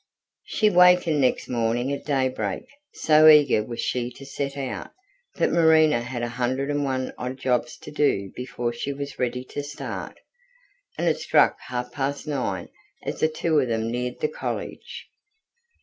She wakened next morning at daybreak, so eager was she to set out. But Marina had a hundred and one odd jobs to do before she was ready to start, and it struck half past nine as the two of them neared the College.